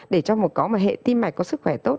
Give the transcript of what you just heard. để cho có một hệ tim mạch có sức khỏe tốt